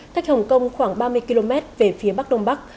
cách hồng kông khoảng ba mươi km về phía bắc đông bắc